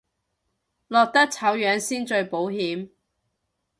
落得醜樣先最保險